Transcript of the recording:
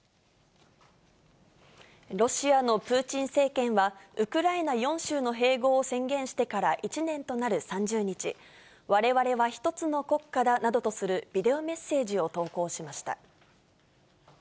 ロシアのプーチン政権は、ウクライナ４州の併合を宣言してから１年となる３０日、われわれは一つの国家だなどとするビデオメッセージを投稿しました。